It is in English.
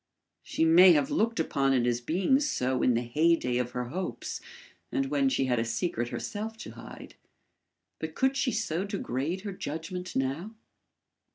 She may have looked upon it as being so in the heyday of her hopes and when she had a secret herself to hide, but could she so degrade her judgment now?